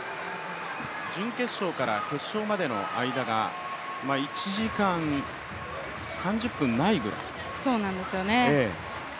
準決勝から決勝までの間が１時間３０分ないぐらい。